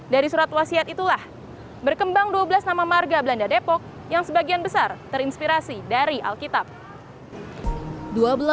dari surat wasiat itulah berkembang dua belas nama marga belanda depok yang sebagian besar terinspirasi dari alkitab